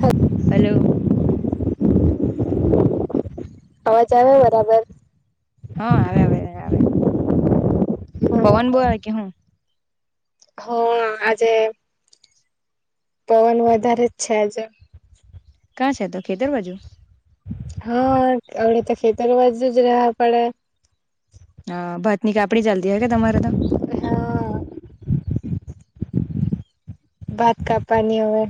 હા. હલો. અવાજ આવે, બરાબર? હા, આવે, આવે, આવે. પવન બો આવે કે હું? હા, આજે પવન વધારે જ છે, આજે ક્યાં છે, તો ખેતર બાજુ? હા, અવે તો ખેતર બાજુ જ રેવા પડે. હા, ભાતની કાપણી ચાલતી હશે ને તમારે તો? હા ભાત કાપવાની હવે.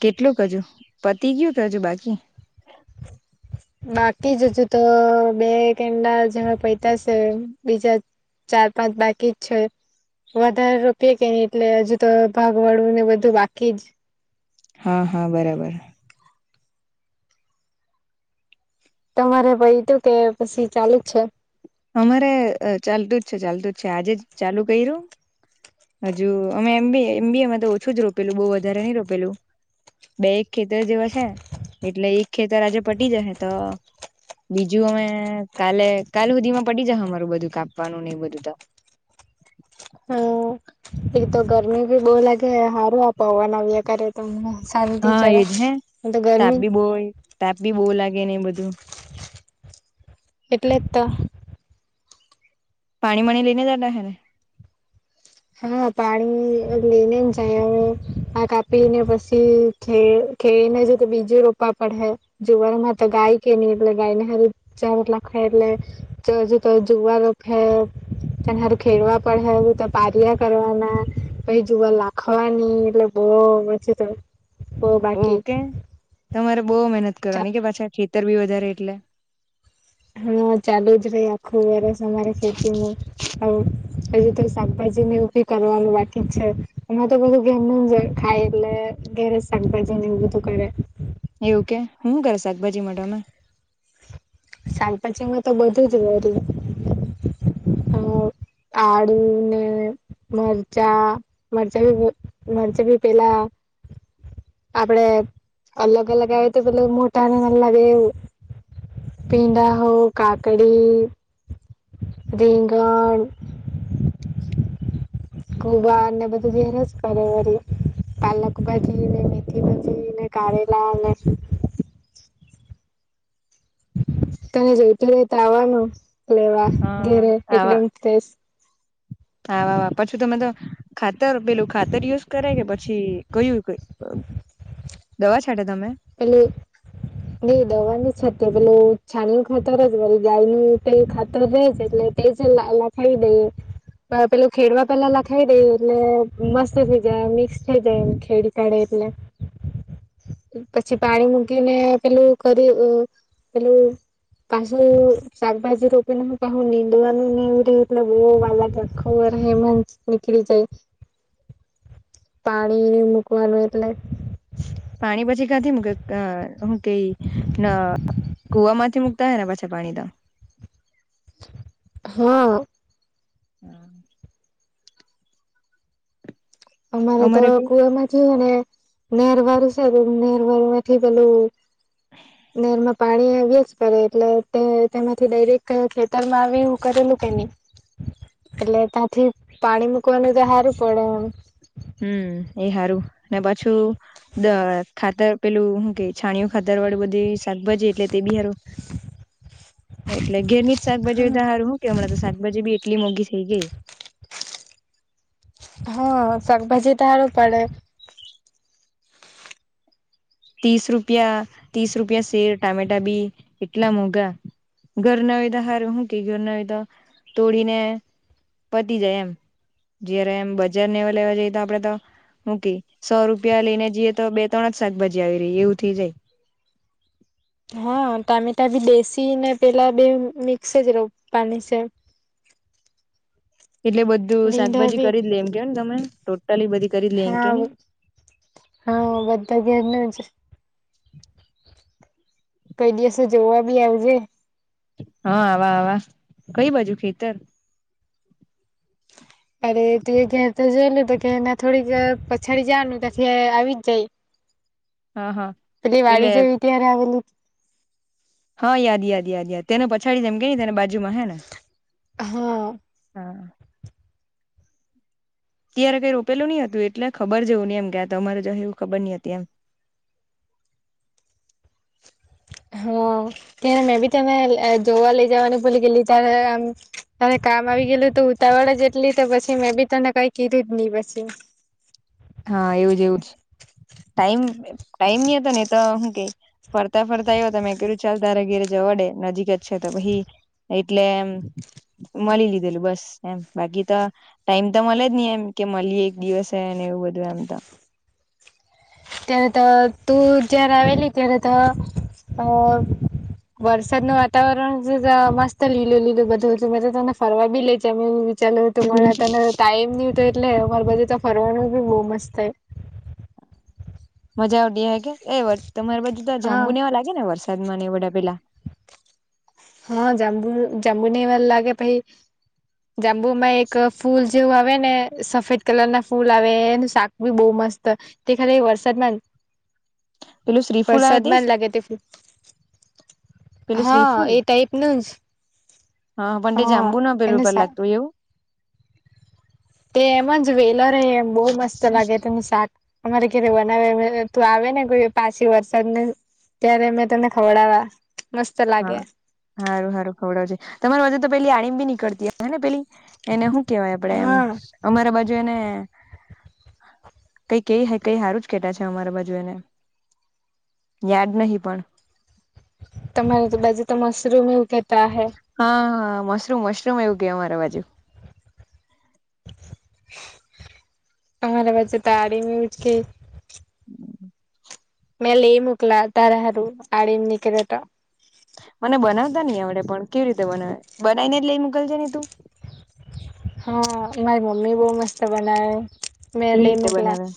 કેટલું હજી પતિ ગયું કે હજી બાકી? બાકી જ હજુ તો બે કેડા જ પત્યા છે. બીજા ચાર-પાંચ બાકી જ છે. વધારે રોપએ કે નહી એટલે હજુ તો ભાગવાળું ને બધું બાકી જ. હા, હા, બરાબર. તમારે પાયતુ કે પછી ચાલુ જ છે? અમારે ચાલતું જ છે, ચાલતું જ છે આજે જ ચાલુ કર્યું. હજુ અમે એમબી તો ઓછું જ રોપેલું બો વધારે નહી રોપેલું. બે-એક ખેતર જેવા છે, એટલે એક ખેતર આજે પટી જશે તો. બીજું અમે કાલે કાલ સુધીમાં પતી જશે અમારું બધું કાપવાનું ને બધું ત એ તો ગરમી ભી બહુ લાગે હારું આ પવન આવ્યા કરે તોન ને? હા, એજ હે તાપી બો તાપી બો લાગે ને એ બધું. એટલે જ તો. પાણી વાણી લઈને જતા હે ને? હા, પાણી લઈને જાય હવે આ કાપીને પછી [unintelligible] જો તો બીજું રોપવા પડશે જુવરમાં તો ગાય કેની એટલે ગાયને ચારો મતલ [unintelligible] જુવાર રોપ્હે એના હારુ ખેડવા પડે ત પાર્યા કરવાના પછી જુવાર લાખવાની એટલે બો પછી તો હ બઉ બાકી કે તમારે બહુ મહેનત કરવાની કે પાછા ખેતર બી વધારે એટલે હા ચાલુ જ રહી આખું વર સરે ખેતીું હજ તો શાકભાજી ને ઊભી કરવાનું બાકી જ છે એમાં તો બધું ઘરનું જ ખાય એટલે ગેરે સાક ભાજી ને એવું બધું કરરે એવું કે હું શું કરે શાકભાજી મા ટમે શાકભાજી માં તો બધું જ હ આડને મરચા મરચાી મરચા ભી પેલા આપડે અલગ અલગ આવે તોલ મોટાને લાગે એવું ભીડા હો કાકડી રીંંગણ ગુવાર ને બધું ઘેર જ કરેરી પાલક ભાજી ને મેથી ભાજી ને કારેલાને તને જોવતોું રે તો આવવાનું લેવા હા ઘેરે એકદમ ફ્રેશ હા, વા વા. પછી તમે તો ખાતર પેલું ખાતર યુઝ કરે કે પછી કયું? હમ. દવા છાટે તમે? એલ. નઈ, દવાની ની છાટીએ. પેલુ છાણી ખાતર જ મા ગાય નું તો ખાતર રહે જ એટલે. તે જ લખાઈ દઈએ. પેલું ખેડવા પહેલા લખાઈ દે, એટલે મસ્ત થઈ જાય. મિક્સ થઈ જાય એમ ખેડી કાઢે. એટલે પછી પાણી મૂકીને પેલું કરી પેલું પાછું શાકભાજી રોપી ના, હું પાછું નિંદવાનું એ બો વાર લાગે. એમ જ નીકળી જાય. પાણી મુૂકવાનું એટલે પાણી પછી ક્યાંથી? કે હું કઈ કુવા માંથી? ક્યાંના છે પાણી તો. હા. હમ. અમારે તો કુવા માંથી હોય ને. નહેરવાળુ છે ને, નહેરવાળુ માંથી પેલું. નિર્મળ. પાણી વ્યસ્ત કરે એટલે તે તેમાંથી ડાયરેક્ટ ખેતરમાં આવી કરેલું કે નહીં? એટલે તથી પાણી મુકવાનું હારુ પડે એમ. હમ, એ સારું ને. પાછું ખાતર પેલું કે છાણિયું? ખાતર વાળું બધી શાકભાજી એટલે તે બિહારું. એટલે ઘેર ની જ શાકભાજી એમ તો સારું. શું કે હમણાં તો શાકભાજી બી એટલી મોંઘી થઈ ગઈ છે. હા, શાકભાજી હારું પડે. ત્રીસ રૂપિયા, ત્રીસ રૂપિયા શેર ટામેટા બી એટલા મોંઘા. ઘર ના વિના તો સારું. શું કે ઘરના હો તો તોડીને પતી જાય એમ. જયારે એમ બજાર નેવા લેવા જઈએ તો આપડે તો મૂકી સો રૂપિયા લઈને જઈએ તો બે-ત્રણ જ શાકભાજી આવી રહે એવું થઈ જાય. હા, ટામેટા બી બેસી ને પેલા બે મિક્સ જ રહે પાણી છે. [unintelligible] એટલે બધું ભીંડા શાકભાજી બી કરી જ લે એમ કે ને તમે? ટોટલી બધી કરી જ લે એમ હા કે ની હા, બધા ઘેરના જ છે. [unintelligible] કઈ દિવસે જોવા બી આવજે. હા, આવા આવા કંઈ બાજુ ખેતર? અરે, તું ક્યા તો જોયેલું તો કે એ થોડીક પછાડી જવાનુ ને આવી જ જાય. હા હા પેલી એટલે વાડી જવી ત્યારે આવેલી. હા, યાદ યાદ યાદ યાદ. તેને પછાડી જેમ કેને, તેને બા બાજુમાં હે ને, હા હા. ત્યારે કંઈ રોપેલું નહીં હતું, એટલે ખબર જવું ને, એમ ક્યા તો, અરે જ એવું ખબર નહીં હતી એમ. [unintelligible] હમ, તે મે બી તને જોવા લઈ જવા નું ભૂલી ગેલી ત્યારે. આમ હવે. કામ આવી ગયેલું તો ઉતાવળ જ એટલી તો. પછી મેં બી તને કંઈ કીધું જ નહીં પછી. હા, એવું જ એવું જ. [unintelligible] ટાઈમ ટાઈમ ની હતો ને, તો હું કે ફરતા ફરતા આવ્યો. મેં કહ્યું, ચાલ, તારે ઘેરે જવાડે. નજીક જ છે, તો ભી એટલે એમ મળી લીધેલું બસ, એમ બાકી તો ટાઈમ તો મળે જ નહીં એમ. કે મળીએ એક દિવસ હે, અને એવું બધું એમ તમે ત્યારે તો તું જાયારે આવેલી ત્યારે તો અ વરસાદ નું વાતાવરણ મસ્ત લીલુ લીલુ બધું હતું મેં તો તને ફરવા બી લે જામ એવું વી ચાલું તો હમ. પણ આનો ટાઈમ ની ઉતો એટલે અમારા બાજુ ત ફરવાનું બી બો મસ્ત સે મજા આવતી અંહે કે એ તમારે બાજુ તો હા જાંબુ ને એવા લાગે ને વર્ષ સાદમાને એ બધા પેલા હા જાંબુ જાંબુ નેવા લાગે પહી જાંબુમાં એક ફૂલ જેવું આવે ને સફેદ કલર ના ફૂલ આવે એનું શાક બી બહુ મસ્ત તે ખાલી વરસાદમાં જ પેલું શ્રીફૂલ આવે વરસાદમાં જ લાગે તે ફૂલ પેલું હા શ્રીફૂલ એ એક નું જ હા પણ તે જાંબુ ન પેલુ એનું પર શાક લાગતું એવું તે એમ જ વેલ રેય એમ બહુ મસ્ત લાગે તેનું શાક અમારે ક્યારે બનાવે તું આવે ને કોઈ પાછી વરસાદને ત્યારે મેં તને ખવડાવા મસ્ત હા લાગે હારું હારું ખવડાવજ તમારી બાજુ તો પેલી આ રીમ‌ બી નીકળતીને પેલી એને હુ કેવાય આપડે એમ હા અમારા બાજુ એને કઈ કેય કઈ હારું જ કેટા છે, અમારા બાજુ એને યાદ નહી પણ એ બાજુ તો મશરૂમ એવુ કે હા હા મશરૂમ મશરૂમ એવું કે અમારે બાજુ અમારા બાજુ ત આરીમ એવું જ કેય મે લે મુકલા તારા હારું આડીમ નીલડે ત મને બનાવતા નહી આવડે પણ કેવી રીતે બનાવે બનાવીને જ લઈ મોકલ જેની તું હા મારી મમ્મી બો મસ્ત બનાવે મે કેવી લેય રીતે મુકલા બનાવે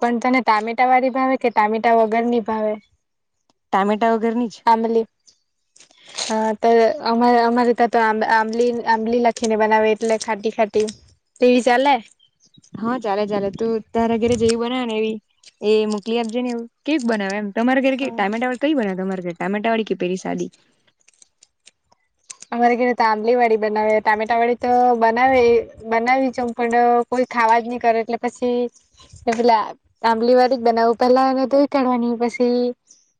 પણ તને ટામેટા વાળી ભાવે કે ટામેટા વગર ની ભાવે? ટામેટા વગેરની જ ત અમા અમારે ત્યાં તો આમ આમલી આમલી લા ખીને બનાવે એટલે ખાટી ખાટી ટેવી ચાલે હા ચાલે ચાલે તું તારા ઘરે જેવી બનાવે ને એવી એ મોકલી આપજે ને એવું કેવી બનાવે એમ તમારે ઘર હા કેવી ટામેટા વાળી કઈ બનાવે તમારે ઘરે ટામેટા વાળી કે પેલી સાદી અમારે ધેરે ત આંબલી વાળી બનાવે ટામેટા વાળી તો બનાવે બનાવી છે, પણ કોઈ ખા વાજ ની કરે એટલે પછી પેલા આંબલી વાલી બનાવું પેલા એને ધોઈ કાઢવાની પછી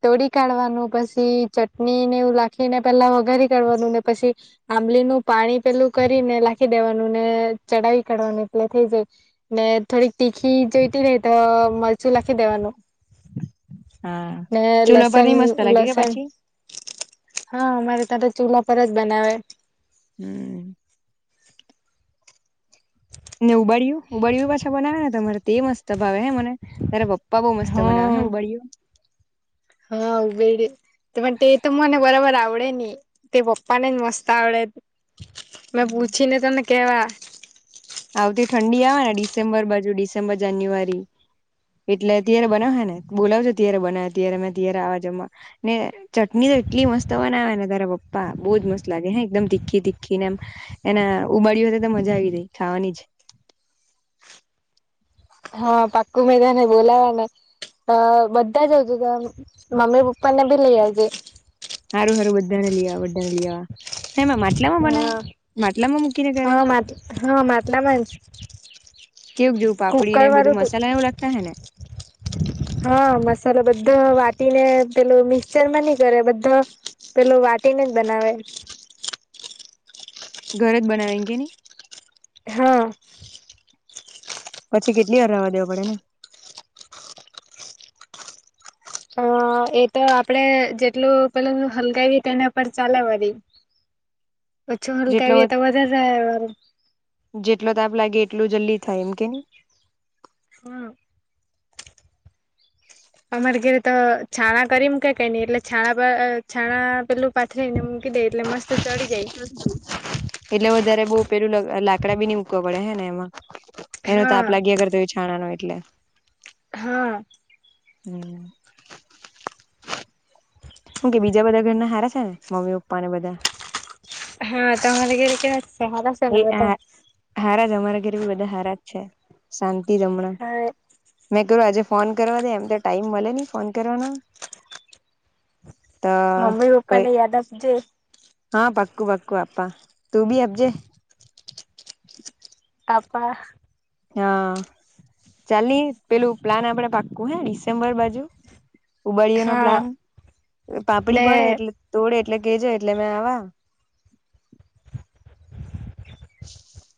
તોડી કાઢવાનું પછી ચટણી ને એવું લખીને પેલા વગારી કાઢવાનુંને પછી આંબલીનું પાણી પેલું કરીને લખી દેવાનું ને ચડાવી કાઢવાનું એટલે થઈ જાય ને થોડીક તીખી જોઈતી રેય ત મરચું લખી દેવાનું હા ને ચૂલા પર લસન ની મસ્ત લાગે કે લસન પાછી હા અમારે તા ત ચૂલા પર જ બનાવે હમ. ને ઉબાડયું ઉબાડયું પાછા બનાવે ને તમારે તે મસ્ત ભાવે હે મને તારે પપ્પા બો મસ્ત બનાવે હા હું ઉબળયુ હા ઉભેડ પણ તે તો મને બરાબર આવ ડે ની તે પપ્પા ને જ મસ્ત આવડે મેં પૂછીને તને કેવા. આવતી ઠંડી આવે ને ડિસેમ્બર બાજુ ડિસેમ્બર જાન્યુઆરી એટલે ત્યારે બનાવ હે ને બોલાવજો ત્યારે બનાવે ત્યારે મે ત્યારે આવા જમવા ને ચટની એટલી મસ્ત બનાવે ને તારા પપ્પા બો જ મસ્ત લાગે હે એકદમ તીખી તીખીને એમ એના ઉ બાડીયુ હાથે તો મજા આવી જાય ખાવાની જ હ પાકું મે તને બોલાવાને અ બધા જઉજો ત મમ્મી પપ્પા ને બી લઇ આવજે સારું સારું બધાને લ આ બધાને લવા હ એમાં માટલામાં બનાવે હા માટલામાં મૂકીને કરે હા મા હા માટલામાં જ કેવ જોવું પાપડી કુકર ને બધું વાળું તો મસાલા એવું લાગતા હૈ ને હા મસાલા બધા વા વાટીને પેલું મિક્ચર માં નહ કરે બધા પેલો વાટીને જ બનાવે ઘરે જ બનાવેંગે નહી હા પછી કેટલી વાર રહવા દેવા પડે ને અ એ તો આપડે જેટલું પેલ હલગાવી તેના પર ચાલેવાળી જેટલો [unintelligible] [unintelligible] લાગે એટલું જલ્દી થાય એમ કે નહી હમ્મ અમારે ઘરે તો છાણા કરીમ કે કઈ નઈ એટલે છાણા છાણા પેલું પાથરી ને એમ કધ એટલે મસ્ત ચડી જાય એટલે વધારે બહ પેલું લાકડા બી નની ઉકવા પડે હે ને એમાં એનો તાપ હા લાગ્યાગર તો છાણા ન એટલે હા હમ્મ હું કે બીજા બધા ઘરના હારા છે ને મમ્મી પપ્પાને બધા હા તમારે ગરે કેવા સારા છે ને એ બધા હા હારા છે અમારા ઘરે બી બધા હારા શાંતિ દમણા હવે મેં કર્યું આજે ફોન કરવા દે એમ તો ટાઈમ મળે નહ ફોન કરવાનો તો મમ્મી પપ્પા કઈ ને યાદ આપ જે હા પક્કું પક્કું આપા તું બી આપજે આપા હા ચાલલી પેલું પ્લાન આપડે પાક્કું હે ડમ્બર બાજુ ઉબાળયો નો હા પ્લાન પાપડી ને પડે એટલે તોડે એટલે કેજ એટલે મે આ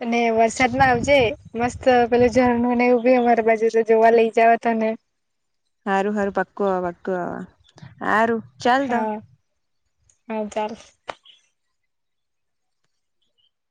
અને વરસાદમાં આવજે મસ્ત પેલે ઝરણ એવું બી અમારી બાજુ તો જોવા લઈ જવા ત ને હારું હારું પક્કું આવા પક્કું આવા હા રું ચાલ તો હા હા ચાલ